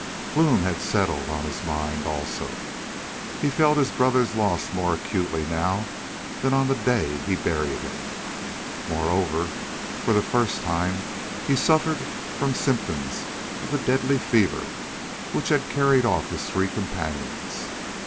Gloom had settled on his mind also; he felt his brother's loss more acutely now than on the day he buried him. Moreover, for the first time he suffered from symptoms of the deadly fever which had carried off his three companions.